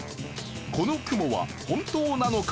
この雲は本当なのか？